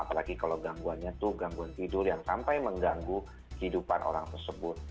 apalagi kalau gangguannya itu gangguan tidur yang sampai mengganggu kehidupan orang tersebut